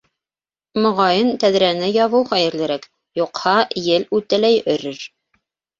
Моғайын, тәҙрәне ябыу хәйерлерәк, юҡһа ел үтәләй өрөр